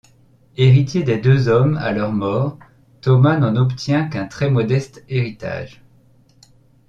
Héritier des deux hommes à leur mort, Thomas n'en obtient qu'un très modeste héritage.